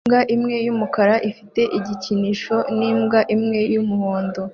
Imbwa imwe y'umukara ifite igikinisho n'imbwa imwe y'umuhondo